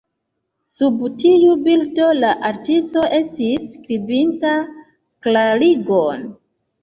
Sub tiu bildo, la artisto estis skribinta klarigon.